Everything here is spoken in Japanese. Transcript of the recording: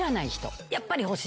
やっぱり欲しい人。